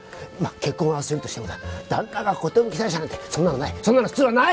結婚はするとしてもだ旦那が寿退社なんてそんなのないそんなの普通はない！